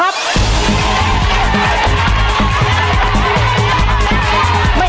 ไม่ออกลูกไปเลย